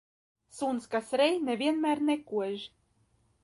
Suns, kas rej, ne vienmēr nekož.